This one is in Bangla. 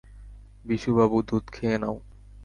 বিশু বাবু, দুধ খেয়ে নাও।